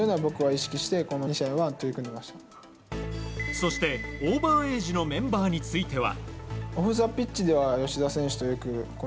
そして、オーバーエージのメンバーについては。